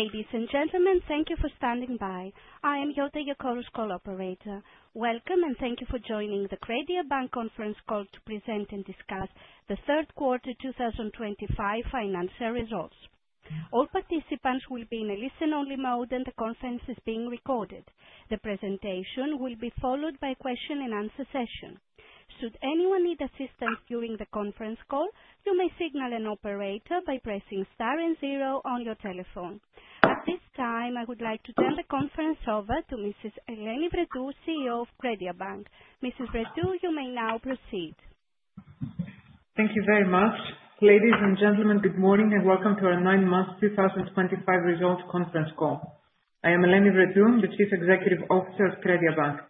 Ladies and gentlemen, thank you for standing by. I am your teleconference call operator. Welcome, and thank you for joining the CrediaBank conference call to present and discuss the Q3 2025 financial results. All participants will be in a listen-only mode, and the conference is being recorded. The presentation will be followed by a question and answer session. Should anyone need assistance during the conference call, you may signal an operator by pressing star and zero on your telephone. At this time, I would like to turn the conference over to Mrs. Eleni Vrettou, CEO of CrediaBank. Mrs. Vrettou, you may now proceed. Thank you very much. Ladies and gentlemen, good morning and welcome to our nine months 2025 results conference call. I am Eleni Vrettou, the Chief Executive Officer of CrediaBank.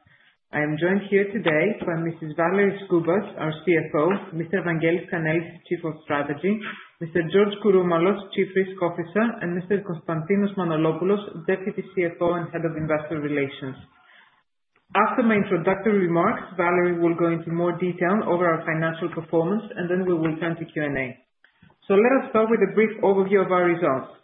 I am joined here today by Mrs. Valerie Skoubas, our CFO, Mr. Evangelos Kanelis, Chief Strategy Officer, Mr. George Kouroumalos, Chief Risk Officer, and Mr. Konstantinos Manolopoulos, Deputy CFO and Head of Investor Relations. After my introductory remarks, Valerie will go into more detail over our financial performance, and then we will turn to Q&A. Let us start with a brief overview of our results.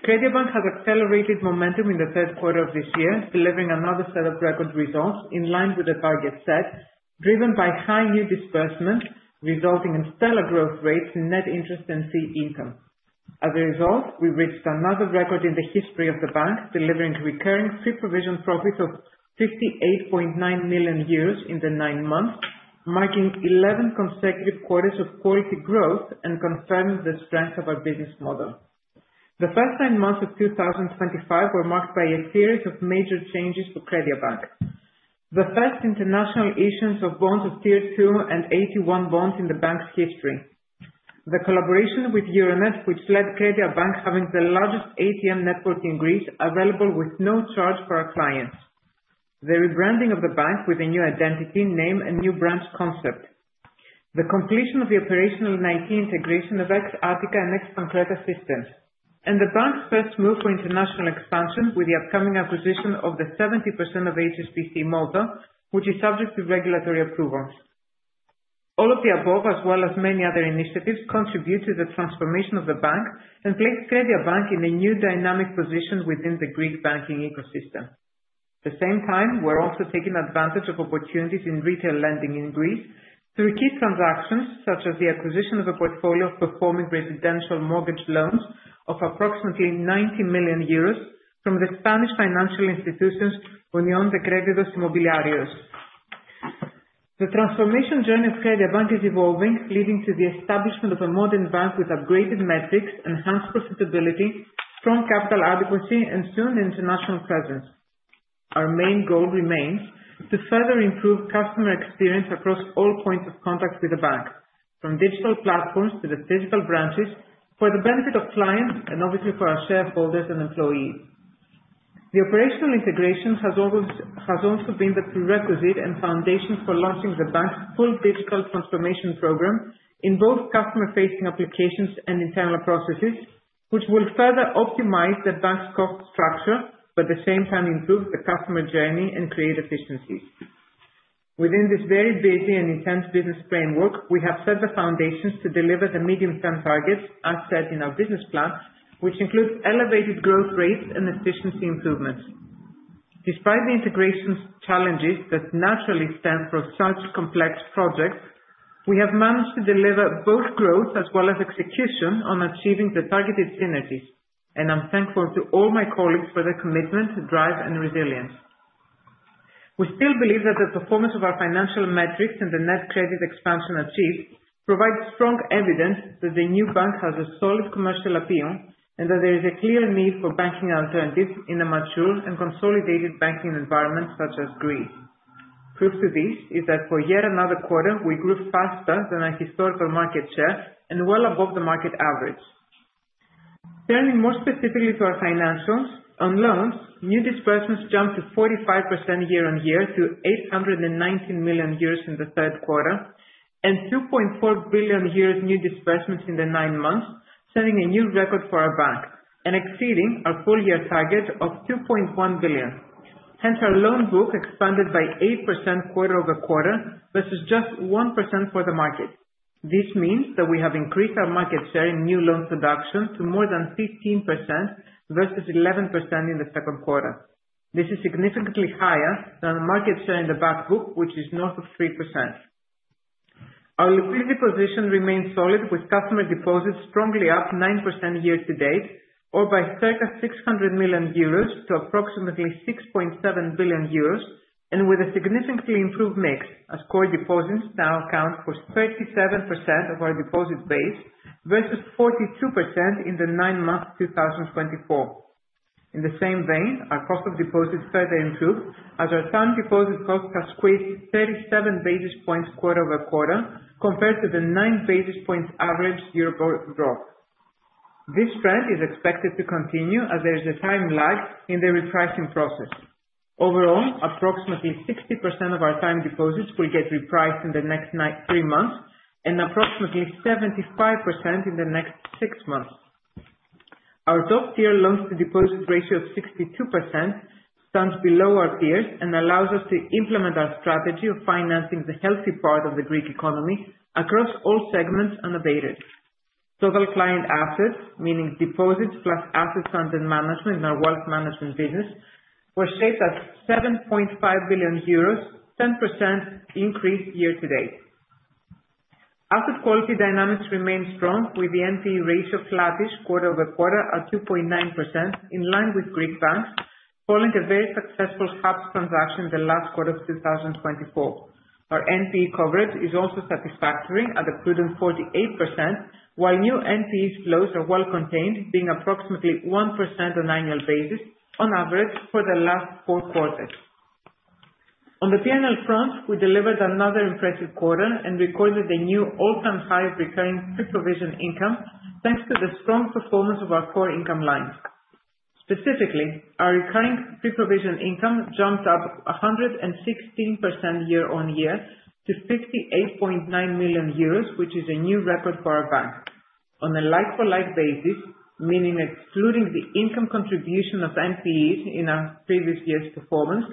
CrediaBank has accelerated momentum in the Q3 of this year, delivering another set of record results in line with the target set, driven by high new disbursements resulting in stellar growth rates in net interest and fee income. As a result, we reached another record in the history of the bank, delivering recurring pre-provision profits of 58.9 million euros in the nine months, marking 11 consecutive quarters of quality growth and confirming the strength of our business model. The first nine months of 2025 were marked by a series of major changes for CrediaBank. The first international issuance of bonds of Tier 2 and AT1 bonds in the bank's history. The collaboration with Euronet, which led CrediaBank having the largest ATM network in Greece available with no charge for our clients. The rebranding of the bank with a new identity, name, and new branch concept. The completion of the operational and IT integration of ex-Attica and ex-Pancreta systems. The bank's first move for international expansion with the upcoming acquisition of the 70% of HSBC Malta, which is subject to regulatory approvals. All of the above, as well as many other initiatives, contribute to the transformation of the bank and place CrediaBank in a new dynamic position within the Greek banking ecosystem. At the same time, we're also taking advantage of opportunities in retail lending in Greece through key transactions, such as the acquisition of a portfolio of performing residential mortgage loans of approximately 90 million euros from the Spanish financial institutions, Unión de Créditos Inmobiliarios. The transformation journey of CrediaBank is evolving, leading to the establishment of a modern bank with upgraded metrics, enhanced profitability, strong capital adequacy, and soon international presence. Our main goal remains to further improve customer experience across all points of contact with the bank, from digital platforms to the physical branches, for the benefit of clients and obviously for our shareholders and employees. The operational integration has also been the prerequisite and foundation for launching the bank's full digital transformation program in both customer-facing applications and internal processes, which will further optimize the bank's cost structure, at the same time improve the customer journey and create efficiencies. Within this very busy and intense business framework, we have set the foundations to deliver the medium-term targets as set in our business plan, which include elevated growth rates and efficiency improvements. Despite the integration challenges that naturally stem from such complex projects, we have managed to deliver both growth as well as execution on achieving the targeted synergies, I'm thankful to all my colleagues for their commitment, drive, and resilience. We still believe that the performance of our financial metrics and the net credit expansion achieved provide strong evidence that the new bank has a solid commercial appeal and that there is a clear need for banking alternatives in a mature and consolidated banking environment such as Greece. Proof of this is that for yet another quarter, we grew faster than our historical market share and well above the market average. Turning more specifically to our financials. On loans, new disbursements jumped to 45% year-on-year to 819 million euros in the Q3 and 2.4 billion euros new disbursements in the nine months, setting a new record for our bank and exceeding our full year target of 2.1 billion. Our loan book expanded by 8% quarter-over-quarter versus just 1% for the market. This means that we have increased our market share in new loan production to more than 15% versus 11% in the Q2. This is significantly higher than the market share in the back book, which is north of 3%. Our liquidity position remains solid, with customer deposits strongly up 9% year-to-date or by circa 600 million euros to approximately 6.7 billion euros and with a significantly improved mix, as core deposits now account for 37% of our deposit base versus 42% in the nine months 2024. In the same vein, our cost of deposits further improved as our time deposit cost has squeezed 37 basis points quarter-over-quarter, compared to the 9 basis points average year drop. This trend is expected to continue as there is a time lag in the repricing process. Overall, approximately 60% of our time deposits will get repriced in the next three months and approximately 75% in the next six months. Our top-tier loans to deposits ratio of 62% stands below our peers and allows us to implement our strategy of financing the healthy part of the Greek economy across all segments unabated. Total client assets, meaning deposits plus assets under management in our wealth management business, were shaped at €7.5 billion, 10% increase year to date. Asset quality dynamics remain strong, with the NPE ratio flattish quarter-over-quarter at 2.9%, in line with Greek banks, following a very successful HAPS transaction in the last quarter of 2024. Our NPE coverage is also satisfactory at a prudent 48%, while new NPE flows are well contained, being approximately 1% on annual basis on average for the last four quarters. On the P&L front, we delivered another impressive quarter and recorded a new all-time high recurring pre-provision income, thanks to the strong performance of our core income lines. Specifically, our recurring pre-provision income jumped up 116% year-on-year to 68.9 million euros, which is a new record for our bank. On a like-for-like basis, meaning excluding the income contribution of NPEs in our previous year's performance,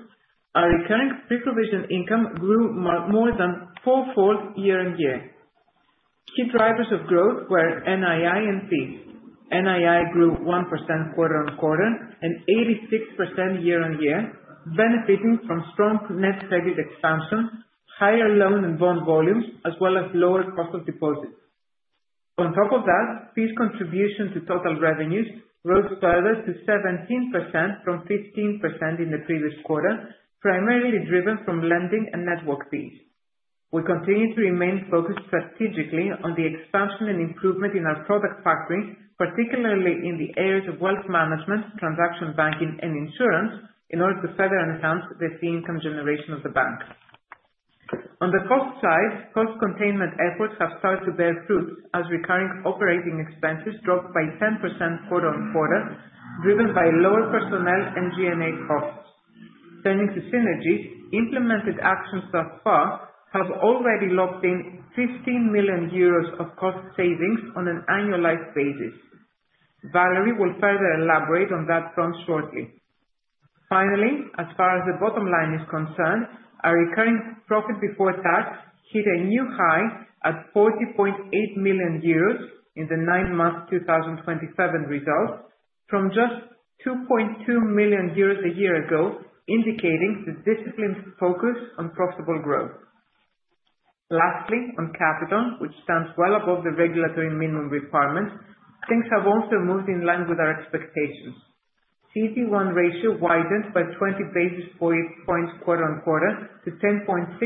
our recurring pre-provision income grew more than four-fold year-on-year. Key drivers of growth were NII and fees. NII grew 1% quarter-on-quarter and 86% year-on-year, benefiting from strong net credit expansion, higher loan and bond volumes, as well as lower cost of deposits. On top of that, fees contribution to total revenues rose further to 17% from 15% in the previous quarter, primarily driven from lending and network fees. We continue to remain focused strategically on the expansion and improvement in our product offering, particularly in the areas of wealth management, transaction banking and insurance, in order to further enhance the fee income generation of the bank. On the cost side, cost containment efforts have started to bear fruit as recurring operating expenses dropped by 10% quarter-on-quarter, driven by lower personnel and G&A costs. Turning to synergies, implemented actions thus far have already locked in 15 million euros of cost savings on an annualized basis. Valerie will further elaborate on that front shortly. As far as the bottom line is concerned, our recurring profit before tax hit a new high at 40.8 million euros in the nine months 2025 results from just 2.2 million euros a year ago, indicating the disciplined focus on profitable growth. Lastly, on capital, which stands well above the regulatory minimum requirements, things have also moved in line with our expectations. CET1 ratio widened by 20 basis points quarter on quarter to 10.6%,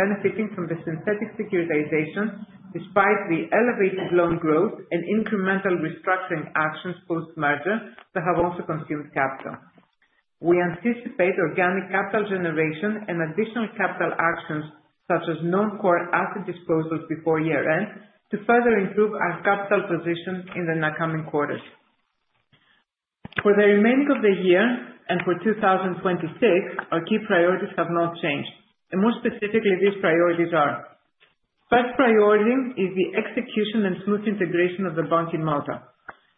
benefiting from the synthetic securitization despite the elevated loan growth and incremental restructuring actions post-merger that have also consumed capital. We anticipate organic capital generation and additional capital actions such as non-core asset disposals before year-end to further improve our capital position in the coming quarters. For the remaining of the year and for 2026, our key priorities have not changed. More specifically, these priorities are, first priority is the execution and smooth integration of the bank in Malta.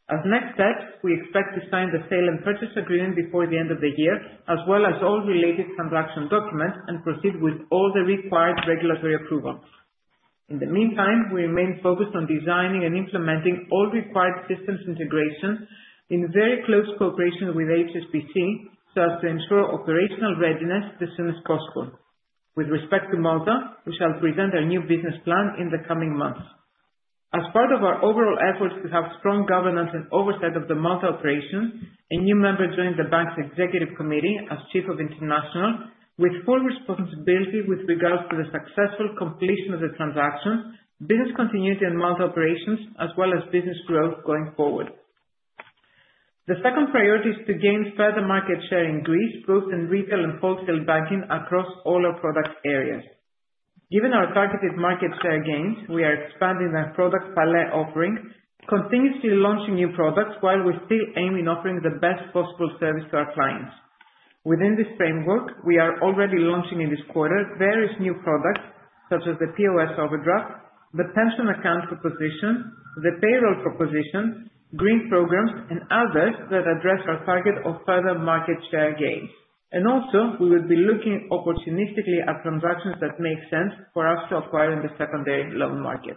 As next steps, we expect to sign the sale and purchase agreement before the end of the year, as well as all related transaction documents and proceed with all the required regulatory approvals. In the meantime, we remain focused on designing and implementing all required systems integration in very close cooperation with HSBC, so as to ensure operational readiness as soon as possible. With respect to Malta, we shall present our new business plan in the coming months. As part of our overall efforts to have strong governance and oversight of the Malta operation, a new member joined the bank's executive committee as Chief of International, with full responsibility with regards to the successful completion of the transaction, business continuity and Malta operations, as well as business growth going forward. The second priority is to gain further market share in Greece, both in retail and wholesale banking across all our product areas. Given our targeted market share gains, we are expanding our product palette offering, continuously launching new products while we still aim in offering the best possible service to our clients. Within this framework, we are already launching in this quarter various new products such as the POS overdraft, the pension account proposition, the payroll proposition, green programs and others that address our target of further market share gains. Also, we will be looking opportunistically at transactions that make sense for us to acquire in the secondary loan market.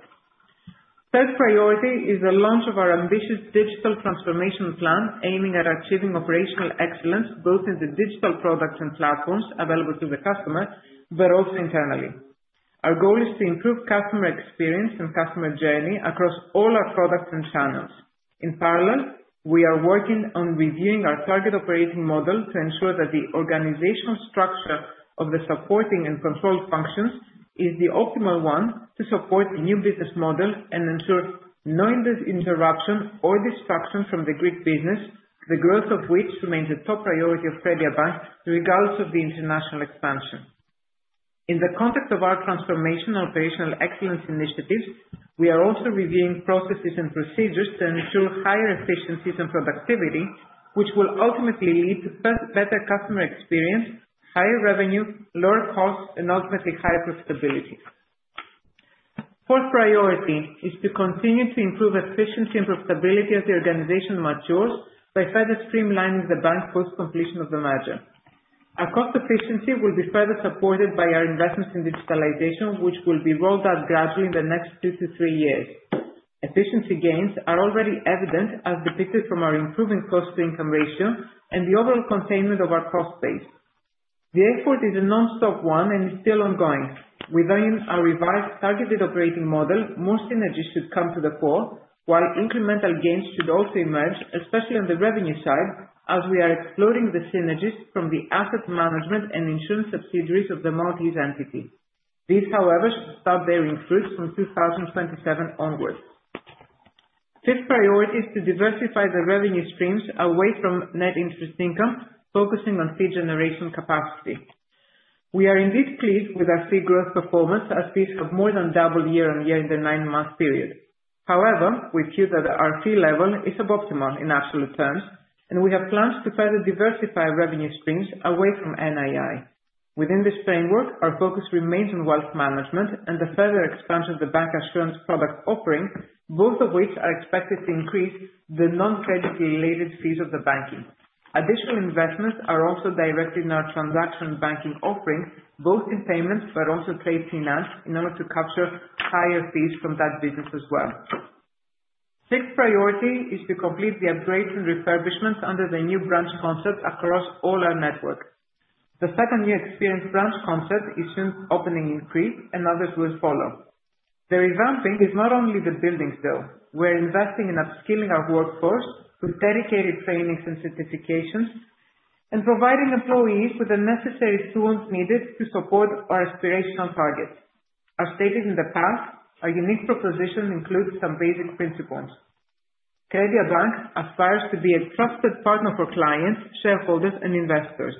Third priority is the launch of our ambitious digital transformation plan, aiming at achieving operational excellence both in the digital products and platforms available to the customer, but also internally. Our goal is to improve customer experience and customer journey across all our products and channels. In parallel, we are working on reviewing our target operating model to ensure that the organizational structure of the supporting and control functions is the optimal one to support the new business model and ensure no interruption or distraction from the Greek business, the growth of which remains a top priority of CrediaBank regardless of the international expansion. In the context of our transformation operational excellence initiatives, we are also reviewing processes and procedures to ensure higher efficiencies and productivity, which will ultimately lead to better customer experience, higher revenue, lower costs, and ultimately higher profitability. Fourth priority is to continue to improve efficiency and profitability as the organization matures by further streamlining the bank post completion of the merger. Our cost efficiency will be further supported by our investments in digitalization, which will be rolled out gradually in the next two to three years. Efficiency gains are already evident, as depicted from our improving cost-to-income ratio and the overall containment of our cost base. The effort is a nonstop one and is still ongoing. Within our revised targeted operating model, more synergies should come to the fore, while incremental gains should also emerge, especially on the revenue side, as we are exploring the synergies from the asset management and insurance subsidiaries of the Maltese entity. These, however, should start bearing fruits from 2027 onwards. Fifth priority is to diversify the revenue streams away from net interest income, focusing on fee generation capacity. We are indeed pleased with our fee growth performance, as fees have more than doubled year on year in the 9-month period. However, we feel that our fee level is suboptimal in absolute terms, and we have plans to further diversify revenue streams away from NII. Within this framework, our focus remains on wealth management and the further expansion of the bancassurance product offering, both of which are expected to increase the non-credit related fees of the banking. Additional investments are also directed in our transaction banking offerings, both in payments but also trade finance, in order to capture higher fees from that business as well. Sixth priority is to complete the upgrades and refurbishments under the new branch concept across all our networks. The second new experience branch concept is soon opening in Crete and others will follow. The revamping is not only the building, though. We're investing in upskilling our workforce through dedicated trainings and certifications and providing employees with the necessary tools needed to support our aspirational targets. As stated in the past, our unique proposition includes some basic principles. CrediaBank aspires to be a trusted partner for clients, shareholders, and investors.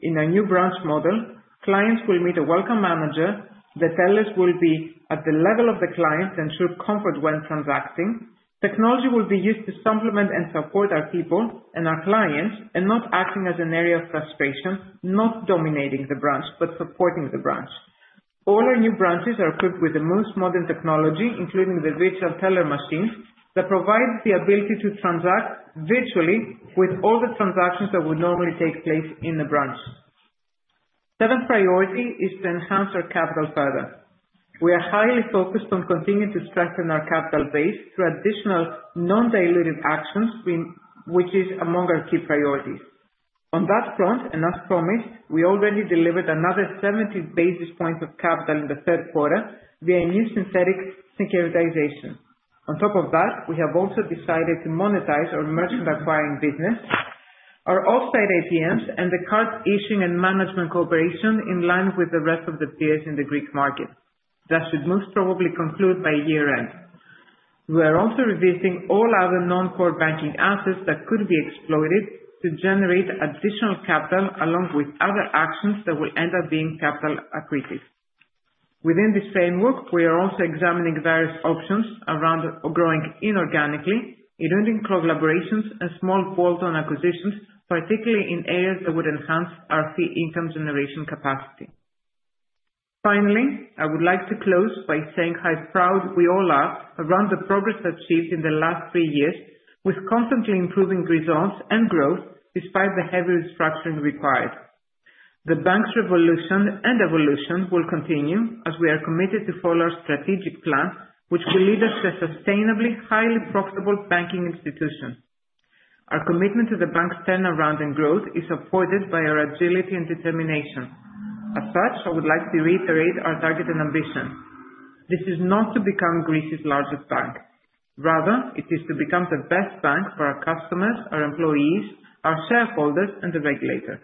In our new branch model, clients will meet a welcome manager, the tellers will be at the level of the client to ensure comfort when transacting. Technology will be used to supplement and support our people and our clients and not acting as an area of frustration, not dominating the branch, but supporting the branch. All our new branches are equipped with the most modern technology, including the virtual teller machines, that provide the ability to transact virtually with all the transactions that would normally take place in the branch. Seventh priority is to enhance our capital further. We are highly focused on continuing to strengthen our capital base through additional non-dilutive actions, which is among our key priorities. On that front, as promised, we already delivered another 70 basis points of capital in the Q3 via new synthetic securitization. On top of that, we have also decided to monetize our merchant acquiring business, our offsite ATMs, and the card issuing and management cooperation in line with the rest of the peers in the Greek market. That should most probably conclude by year-end. We are also reviewing all other non-core banking assets that could be exploited to generate additional capital, along with other actions that will end up being capital accretive. Within this framework, we are also examining various options around growing inorganically, including collaborations and small bolt-on acquisitions, particularly in areas that would enhance our fee income generation capacity. Finally, I would like to close by saying how proud we all are around the progress achieved in the last three years with constantly improving results and growth despite the heavy restructuring required. The bank's revolution and evolution will continue as we are committed to follow our strategic plan, which will lead us to a sustainably highly profitable banking institution. Our commitment to the bank's turnaround and growth is supported by our agility and determination. As such, I would like to reiterate our target and ambition. This is not to become Greece's largest bank. Rather, it is to become the best bank for our customers, our employees, our shareholders, and the regulator.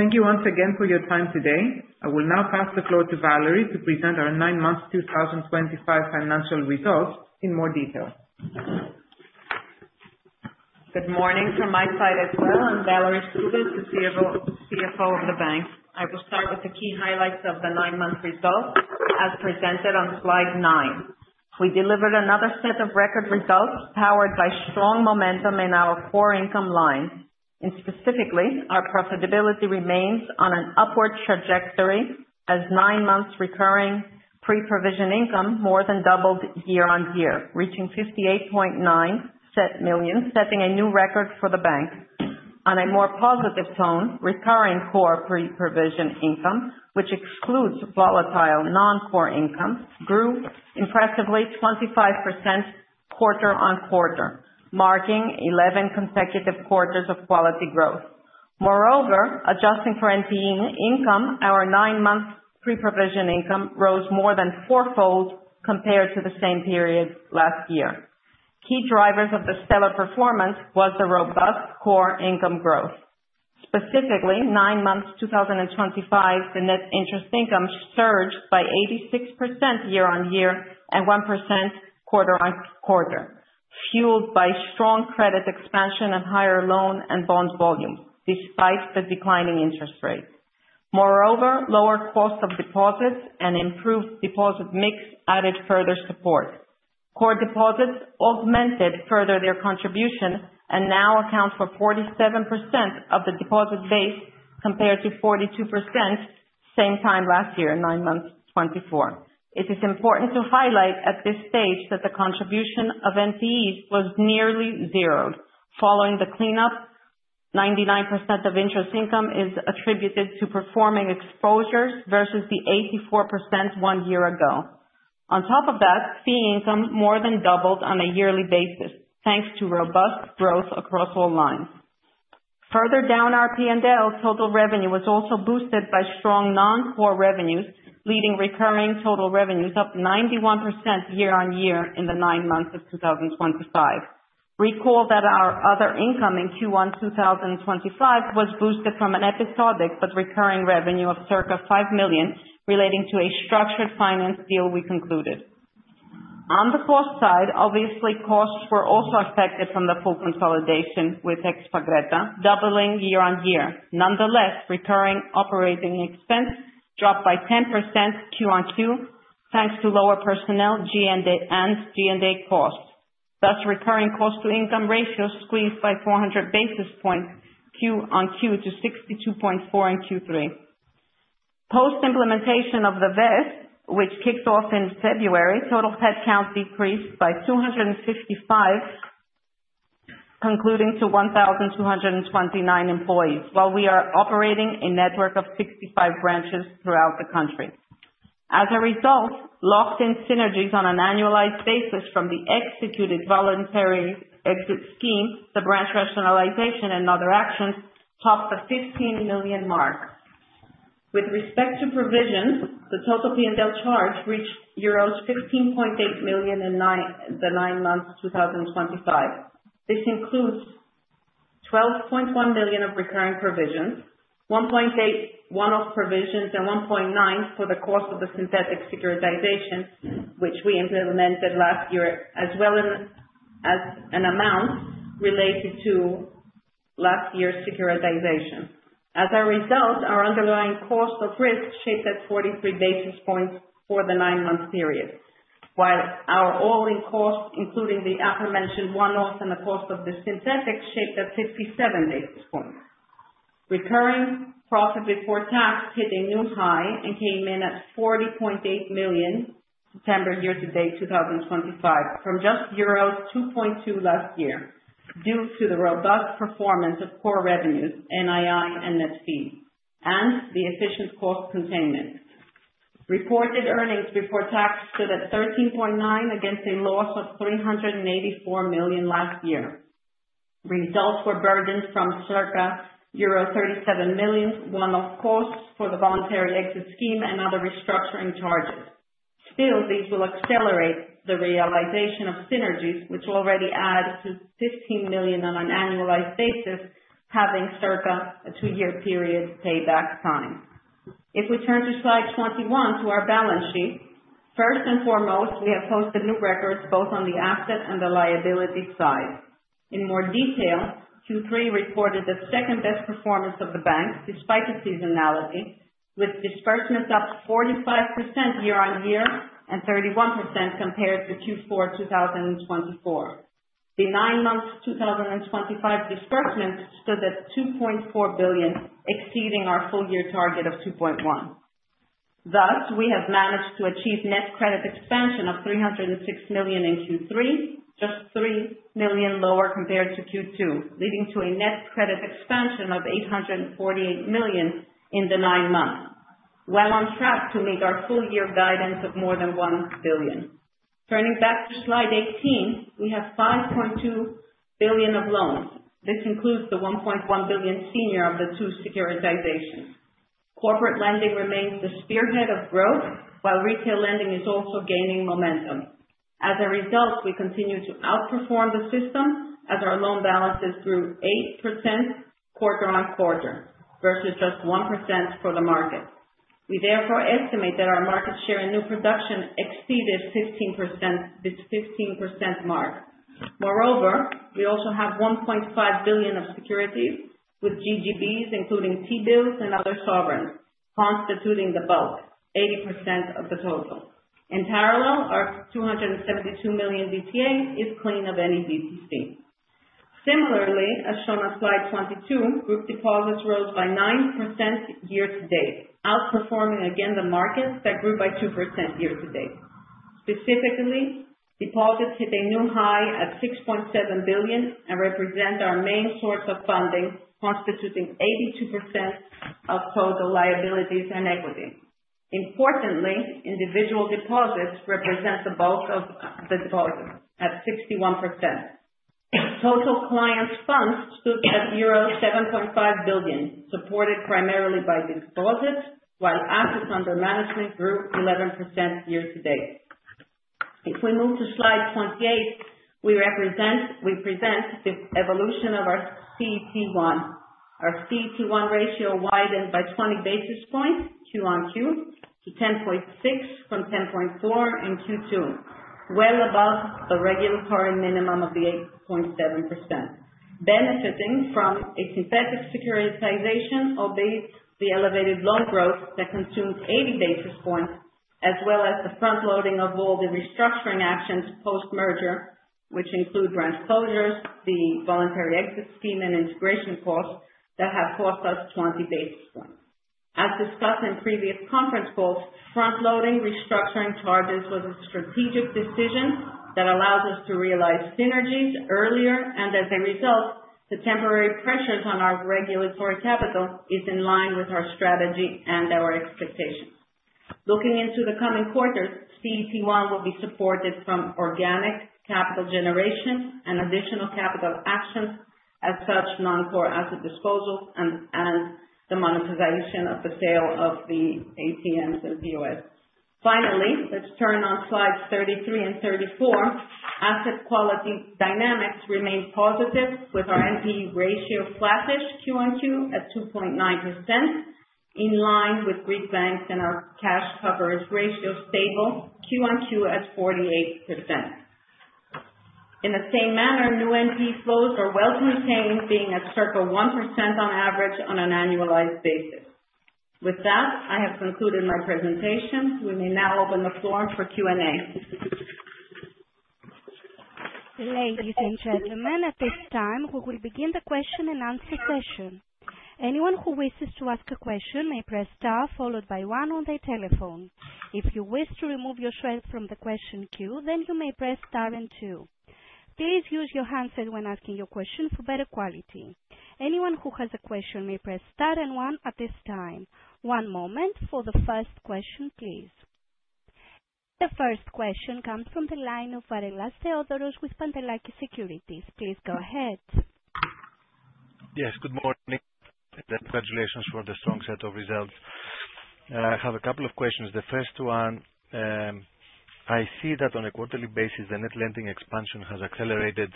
Thank you once again for your time today. I will now pass the floor to Valerie to present our nine months 2025 financial results in more detail. Good morning from my side as well. I'm Valerie Skoubas, the CFO of the bank. I will start with the key highlights of the nine-month results as presented on slide nine. We delivered another set of record results powered by strong momentum in our core income line. Specifically, our profitability remains on an upward trajectory as nine months recurring pre-provision income more than doubled year-on-year, reaching 58.9 million, setting a new record for the bank. On a more positive tone, recurring core pre-provision income, which excludes volatile non-core income, grew impressively 25% quarter-on-quarter, marking 11 consecutive quarters of quality growth. Moreover, adjusting for NII income, our nine-month pre-provision income rose more than fourfold compared to the same period last year. Key drivers of the stellar performance was the robust core income growth. Specifically, nine months 2025, the net interest income surged by 86% year on year and 1% quarter on quarter, fueled by strong credit expansion and higher loan and bond volume, despite the declining interest rate. Moreover, lower cost of deposits and improved deposit mix added further support. Core deposits augmented further their contribution and now account for 47% of the deposit base, compared to 42% same time last year, nine months 2024. It is important to highlight at this stage that the contribution of NPEs was nearly zero. Following the cleanup, 99% of interest income is attributed to performing exposures versus the 84% one year ago. On top of that, fee income more than doubled on a yearly basis, thanks to robust growth across all lines. Further down our P&L, total revenue was also boosted by strong non-core revenues, leading recurring total revenues up 91% year-on-year in the nine months 2025. Recall that our other income in Q1 2025 was boosted from an episodic, but recurring revenue of circa 5 million relating to a structured finance deal we concluded. On the cost side, obviously, costs were also affected from the full consolidation with ex-Pancreta doubling year-on-year. Nonetheless, recurring operating expense dropped by 10% QoQ, thanks to lower personnel and G&A costs. Thus, recurring cost-to-income ratio squeezed by 400 basis points QoQ to 62.4% in Q3. Post implementation of the VES, which kicked off in February, total head count decreased by 255 concluding to 1,229 employees, while we are operating a network of 65 branches throughout the country. As a result, locked in synergies on an annualized basis from the executed Voluntary Exit Scheme, the branch rationalization and other actions topped the 15 million mark. With respect to provisions, the total P&L charge reached euros 15.8 million in the nine months 2025. This includes 12.1 million of recurring provisions, 1.8 one-off provisions, and 1.9 for the cost of the synthetic securitization, which we implemented last year, as well as an amount related to last year's securitization. As a result, our underlying cost of risk shaped at 43 basis points for the nine-month period. While our all-in cost including the aforementioned one-off and the cost of the synthetic shaped at 57 basis points. Recurring profit before tax hit a new high and came in at 40.8 million September year to date 2025 from just euros 2.2 last year, due to the robust performance of core revenues, NII, and net fee, and the efficient cost containment. Reported earnings before tax stood at 13.9 against a loss of 384 million last year. Results were burdened from circa euro 37 million one-off costs for the Voluntary Exit Scheme and other restructuring charges. These will accelerate the realization of synergies, which will already add to 15 million on an annualized basis, having circa a two-year period payback time. If we turn to slide 21 to our balance sheet. First and foremost, we have posted new records both on the asset and the liability side. In more detail, Q3 reported the 2nd-best performance of the bank despite the seasonality, with disbursements up 45% year-on-year and 31% compared to Q4 2024. The nine months 2025 disbursements stood at 2.4 billion, exceeding our full year target of 2.1 billion. We have managed to achieve net credit expansion of 306 million in Q3, just 3 million lower compared to Q2, leading to a net credit expansion of 848 million in the nine months, well on track to meet our full year guidance of more than 1 billion. Turning back to slide 18, we have 5.2 billion of loans. This includes the 1.1 billion senior of the two securitizations. Corporate lending remains the spearhead of growth, while retail lending is also gaining momentum. As a result, we continue to outperform the system as our loan balances grew 8% quarter-on-quarter versus just 1% for the market. We therefore estimate that our market share in new production exceeded the 15% mark. We also have 1.5 billion of securities with GGBs, including T-bills and other sovereigns constituting the bulk, 80% of the total. Our 272 million DTA is clean of any DTC. As shown on slide 22, group deposits rose by 9% year-to-date, outperforming again the markets that grew by 2% year-to-date. Deposits hit a new high at 6.7 billion and represent our main source of funding, constituting 82% of total liabilities and equity. Individual deposits represent the bulk of the deposits at 61%. Total client funds stood at 7.5 billion, supported primarily by deposits, while assets under management grew 11% year-to-date. If we move to slide 28, we present the evolution of our CET1. Our CET1 ratio widened by 20 basis points Q on Q to 10.6 from 10.4 in Q2, well above the regulatory minimum of the 8.7%, benefiting from a synthetic securitization of the elevated loan growth that consumed 80 basis points, as well as the front-loading of all the restructuring actions post-merger. Which include branch closures, the Voluntary Exit Scheme and integration costs that have cost us 20 basis points. As discussed in previous conference calls, front-loading restructuring charges was a strategic decision that allows us to realize synergies earlier, as a result, the temporary pressures on our regulatory capital is in line with our strategy and our expectations. Looking into the coming quarters, CET1 will be supported from organic capital generation and additional capital actions, as such, non-core asset disposals and the monetization of the sale of the offsite ATMs. Finally, let's turn on slides 33 and 34. Asset quality dynamics remain positive with our NPE ratio flattish QoQ at 2.9%, in line with Greek banks and our cash coverage ratio stable QoQ at 48%. In the same manner, new NPE flows are well contained, being at circa 1% on average on an annualized basis. With that, I have concluded my presentation. We may now open the floor for Q&A. Ladies and gentlemen, at this time, we will begin the question and answer session. Anyone who wishes to ask a question may press star followed by one on their telephone. If you wish to remove yourself from the question queue, then you may press star and two. Please use your handset when asking your question for better quality. Anyone who has a question may press star and one at this time. One moment for the first question, please. The first question comes from the line of Varelas Theodoros with Pantelakis Securities. Please go ahead. Yes, good morning. Congratulations for the strong set of results. I have a couple of questions. The first one, I see that on a quarterly basis, the net lending expansion has accelerated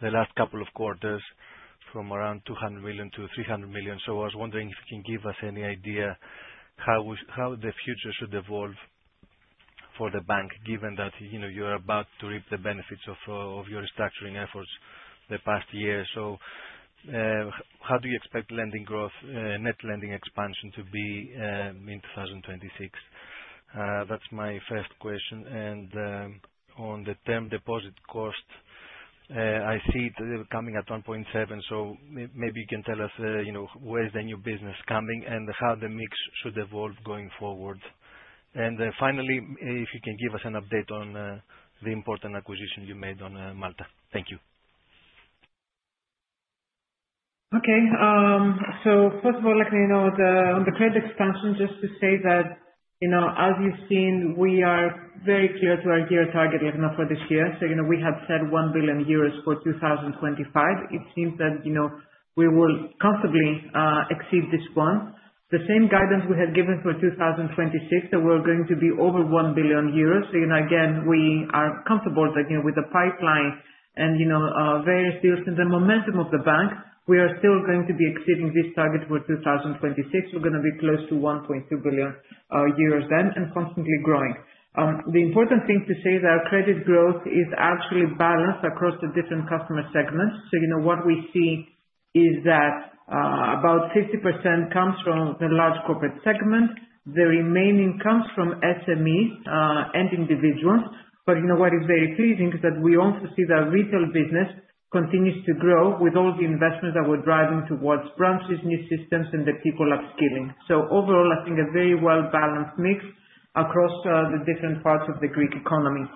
the last couple of quarters from around 200 million-300 million. I was wondering if you can give us any idea how the future should evolve for the bank, given that you're about to reap the benefits of your restructuring efforts the past year. How do you expect net lending expansion to be in mid 2026? That's my first question. On the term deposit cost, I see it coming at 1.7%. Maybe you can tell us where is the new business coming and how the mix should evolve going forward. Finally, if you can give us an update on the important acquisition you made on Malta. Thank you. Okay. First of all, on the credit expansion, just to say that, as you've seen, we are very clear to our year target for this year. We have said 1 billion euros for 2025. It seems that we will comfortably exceed this one. The same guidance we had given for 2026, that we're going to be over 1 billion euros. Again, we are comfortable that with the pipeline and various deals and the momentum of the bank, we are still going to be exceeding this target for 2026. We're going to be close to 1.2 billion euros then and constantly growing. The important thing to say is that our credit growth is actually balanced across the different customer segments. What we see is that about 50% comes from the large corporate segment. The remaining comes from SMEs and individuals. What is very pleasing is that we also see the retail business continues to grow with all the investments that we're driving towards branches, new systems and the people upskilling. Overall, I think a very well-balanced mix across the different parts of the Greek economy.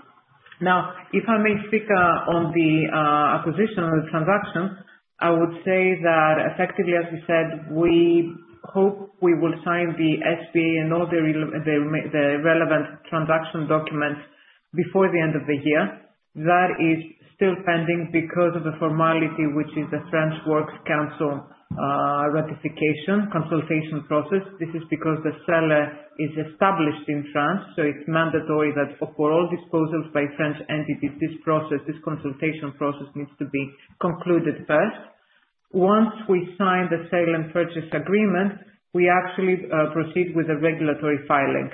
If I may speak on the acquisition or the transaction, I would say that effectively, as we said, we hope we will sign the SPA and all the relevant transaction documents before the end of the year. That is still pending because of the formality, which is the French Works Council ratification consultation process. This is because the seller is established in France, so it's mandatory that for all disposals by French entities, this consultation process needs to be concluded first. Once we sign the sale and purchase agreement, we actually proceed with the regulatory filing.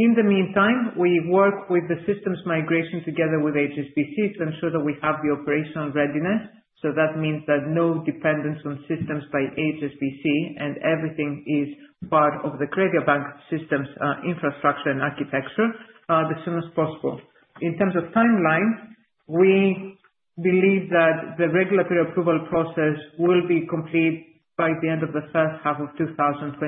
In the meantime, we work with the systems migration together with HSBC to ensure that we have the operational readiness. That means that no dependence on systems by HSBC and everything is part of the CrediaBank systems, infrastructure and architecture, as soon as possible. In terms of timeline, we believe that the regulatory approval process will be complete by the end of the H1 of 2026.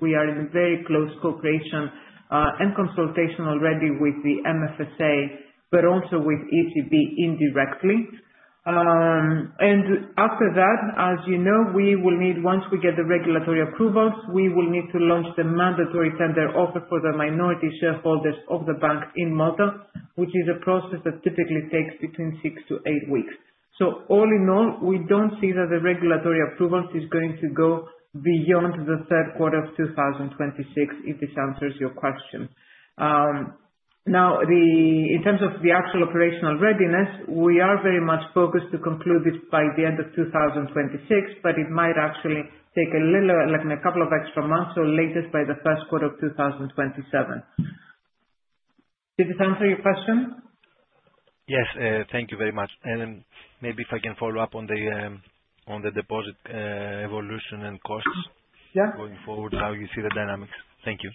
We are in very close cooperation, and consultation already with the MFSA, but also with ECB indirectly. After that, as you know, once we get the regulatory approvals, we will need to launch the mandatory tender offer for the minority shareholders of the bank in Malta, which is a process that typically takes between six to eight weeks. All in all, we don't see that the regulatory approvals is going to go beyond the Q3 of 2026, if this answers your question. In terms of the actual operational readiness, we are very much focused to conclude this by the end of 2026, but it might actually take a couple of extra months, so latest by the Q1 of 2027. Did this answer your question? Yes. Thank you very much. Maybe if I can follow up on the deposit evolution and costs. Yeah. going forward, how you see the dynamics. Thank you.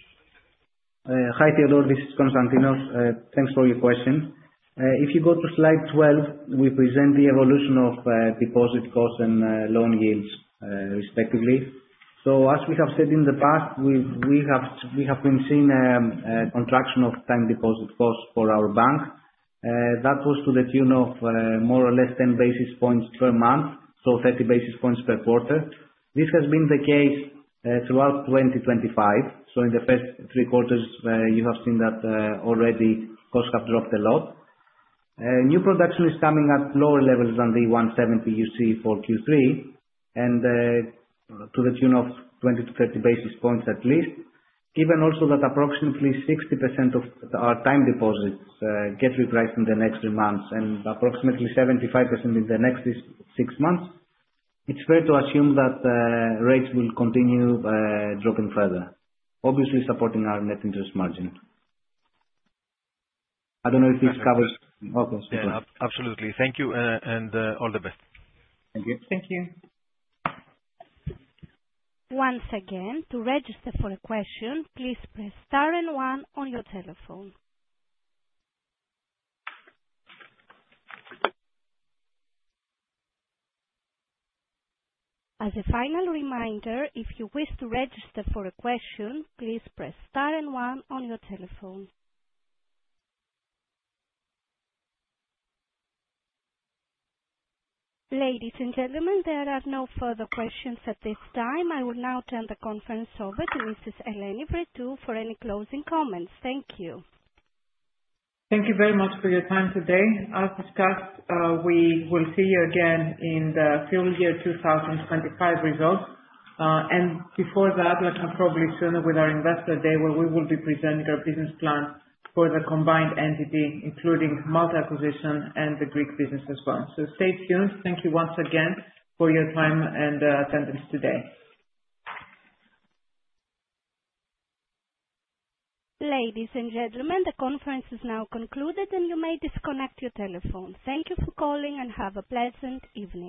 Hi, Theodore, this is Konstantinos. Thanks for your question. If you go to slide 12, we present the evolution of deposit cost and loan yields respectively. As we have said in the past, we have been seeing a contraction of time deposit costs for our bank. That was to the tune of more or less 10 basis points per month, so 30 basis points per quarter. This has been the case throughout 2025. In the first three quarters, you have seen that already costs have dropped a lot. New production is coming at lower levels than the 170 you see for Q3 and to the tune of 20-30 basis points at least. Given also that approximately 60% of our time deposits get repriced in the next three months and approximately 75% in the next six months, it's fair to assume that rates will continue dropping further, obviously supporting our net interest margin. Yeah. Okay. Absolutely. Thank you and all the best. Thank you. Thank you. Once again, to register for a question, please press star and one on your telephone. As a final reminder, if you wish to register for a question, please press star and one on your telephone. Ladies and gentlemen, there are no further questions at this time. I will now turn the conference over to Mrs. Eleni Vrettou for any closing comments. Thank you. Thank you very much for your time today. As discussed, we will see you again in the full year 2025 results. Before that, most probably sooner with our investor day where we will be presenting our business plan for the combined entity, including Malta acquisition and the Greek business as well. Stay tuned. Thank you once again for your time and attendance today. Ladies and gentlemen, the conference is now concluded and you may disconnect your telephone. Thank you for calling and have a pleasant evening.